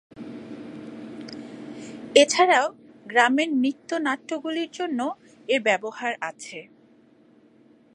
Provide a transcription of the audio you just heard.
এছাড়াও গ্রামের নৃত্য-নাট্যগুলির জন্য এর ব্যবহার আছে।